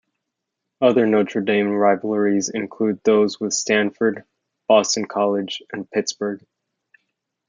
Other Notre Dame rivalries include those with Stanford, Boston College, and Pittsburgh.